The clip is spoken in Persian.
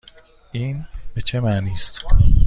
این به چه معنی است؟